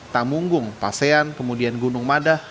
tamunggung pasean kemudian gunung madah